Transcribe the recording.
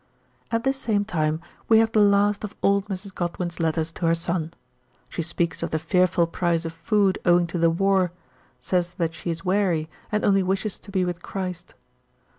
At this same date we have the last of old Mrs. Godwin's letters to her son. She speaks of the fear ful price of food owing to the ar, says that she is weary, and only wishes to be with Christ.